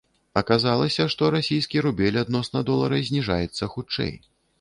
Аказалася, што расійскі рубель адносна долара зніжаецца хутчэй.